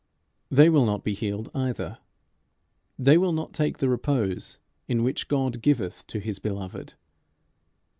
They will not be healed either. They will not take the repose in which God giveth to his beloved.